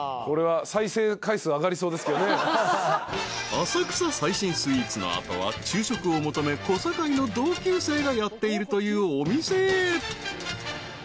［浅草最新スイーツの後は昼食を求め小堺の同級生がやっているというお店へ］